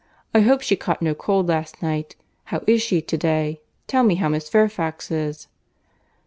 —I hope she caught no cold last night. How is she to day? Tell me how Miss Fairfax is."